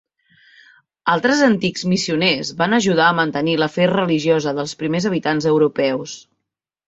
Altres antics missioners van ajudar a mantenir la fe religiosa dels primers habitants europeus.